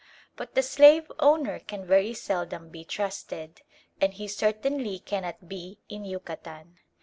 But the slave owner can very seldom be trusted, and he certainly cannot be in Yucatan.